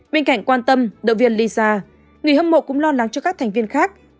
bên cạnh quan tâm động viên lisa người hâm mộ cũng lo lắng cho các thành viên khác